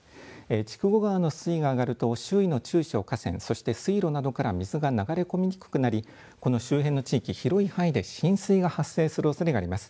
筑後川の水位が上がると周囲の中小河川、そして水路などから水が流れ込みにくくなりこの周辺の地域、広い範囲で浸水が発生するおそれがあります。